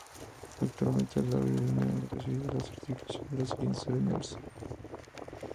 Actualmente, la aerolínea ha recibida la certificación para las siguientes aeronaves:.